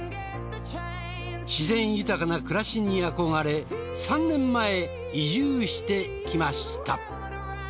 自然豊かな暮らしに憧れ３年前移住してきました。